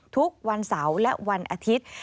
ทุกวันเสาร์และวันอาทิตย์